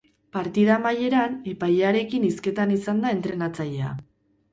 Partida amaieran epailearekin hizketan izan da entrenatzailea.